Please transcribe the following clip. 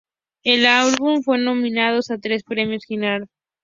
El álbum fue nominados a tres Premios Grammys.